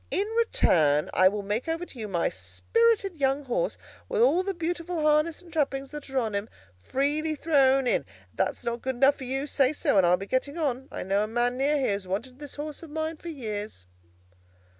In return, I will make over to you my spirited young horse, with all the beautiful harness and trappings that are on him, freely thrown in. If that's not good enough for you, say so, and I'll be getting on. I know a man near here who's wanted this horse of mine for years."